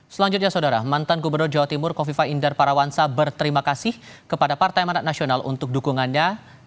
selanjutnya saudara mantan gubernur jawa timur kofifa indar parawansa berterima kasih kepada partai manat nasional untuk dukungannya